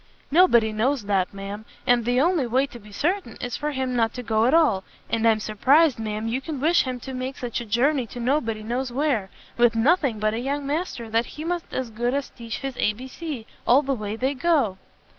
"Nobody knows that, ma'am; and the only way to be certain is for him not to go at all; and I'm surprised, ma'am, you can wish him to make such a journey to nobody knows where, with nothing but a young master that he must as good as teach his A. B. C. all the way they go!"